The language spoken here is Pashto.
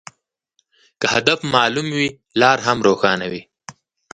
که هدف معلوم وي، لار هم روښانه وي.